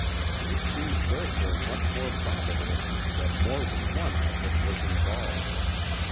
It seems therefore much more probable that more than one object was involved.